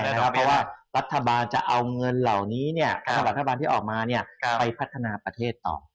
เพราะว่ารัฐบาลจะเอาเงินเหล่านี้รัฐบาลที่ออกมาไปพัฒนาประเทศต่อ